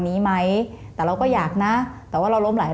การเกลียดถูกไหม